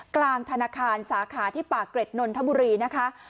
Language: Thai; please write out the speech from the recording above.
กลางธนาคารสาขาที่ปากเกร็ดนนทบุรีนะคะ